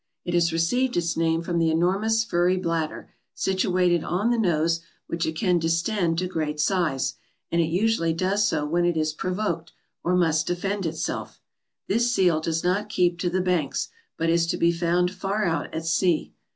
It has received its name from the enormous furry bladder, situated on the nose, which it can distend to great size, and it usually does so when it is provoked or must defend itself. This seal does not keep to the banks, but is to be found far out at sea.